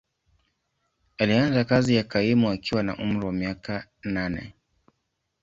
Alianza kazi ya kaimu akiwa na umri wa miaka nane.